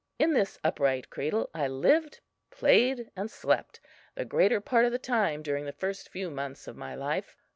In this upright cradle I lived, played and slept the greater part of the time during the first few months of my life.